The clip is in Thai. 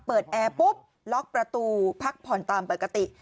แอร์ปุ๊บล็อกประตูพักผ่อนตามปกติ